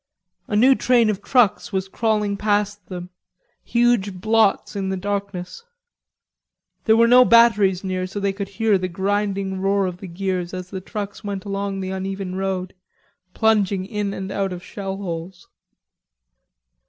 A new train of trucks was crawling past them, huge blots in the darkness. There were no batteries near, so they could hear the grinding roar of the gears as the trucks went along the uneven road, plunging in and out of shellholes.